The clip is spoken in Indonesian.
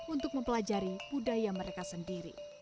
untuk mempelajari budaya mereka sendiri